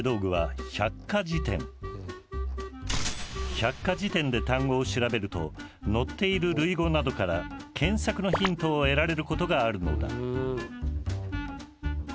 百科事典で単語を調べると載っている類語などから検索のヒントを得られることがあるのだ。